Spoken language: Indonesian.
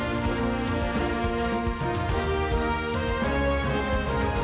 lalu lalang transportasi super cepat terus mengisi ruas jalan jalan ibu kota